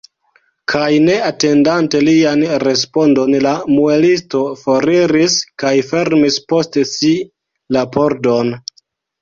Kaj ne atendante lian respondon, la muelisto foriris kaj fermis post si la pordon.